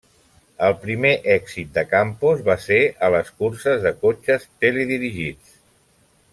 El primer èxit de Campos va ser a les curses de cotxes teledirigits.